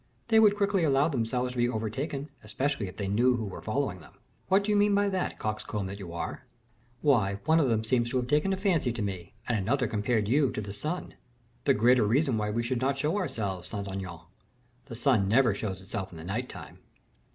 "They would quickly allow themselves to be overtaken, especially if they knew who were following them." "What do you mean by that, coxcomb that you are?" "Why, one of them seems to have taken a fancy to me, and another compared you to the sun." "The greater reason why we should not show ourselves, Saint Aignan. The sun never shows itself in the night time."